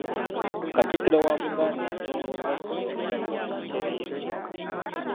Katikkiro wa Buganda, atongozza sizoni y’Emmwannyi terimba.